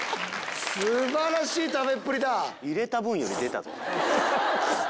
素晴らしい食べっぷりだ！